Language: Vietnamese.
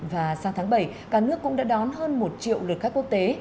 và sang tháng bảy cả nước cũng đã đón hơn một triệu lượt khách quốc tế